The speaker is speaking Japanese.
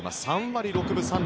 ３割６分３厘。